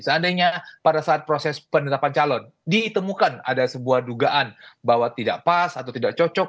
seandainya pada saat proses penetapan calon ditemukan ada sebuah dugaan bahwa tidak pas atau tidak cocok